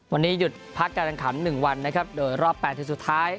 วันนี้หยุดพักการแข่งขัน๑วันนะครับโดยรอบ๘ทีมสุดท้าย